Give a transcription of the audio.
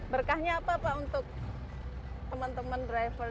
berkahnya apa pak untuk teman teman driver